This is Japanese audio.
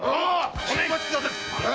ご老中お待ちください！